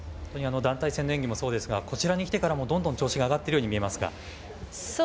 本当に団体戦の演技もそうですがこちらに来てからもどんどん調子が上がっているように見えますが。